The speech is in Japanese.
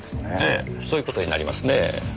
ええそういう事になりますね。